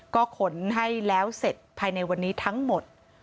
ก็ขนให้แล้วเสร็จภายในวันนี้ทั้งหมด